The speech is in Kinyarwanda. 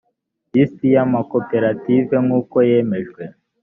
lisiti y’amakoperative nk’uko yemejwe